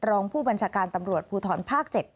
รองผู้บัญชาการตำรวจภูทรภาค๗